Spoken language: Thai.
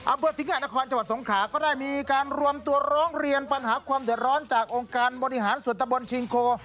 อำเภอสิงหานครจังหวัดสงขาก็ได้มีการรวมตัวร้องเรียนปัญหาความเดือดร้อนจากองค์การบริหารส่วนตะบนชิงโค